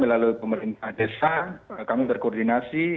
melalui pemerintah desa kami berkoordinasi